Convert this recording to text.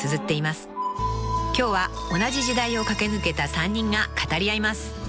［今日は同じ時代を駆け抜けた３人が語り合います］